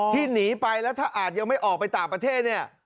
ที่หนีไปแล้วถ้าอาจไม่ออกไปต่างประเทศนี่